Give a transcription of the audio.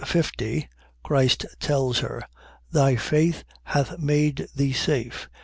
50) Christ tells her, Thy faith hath made thee safe.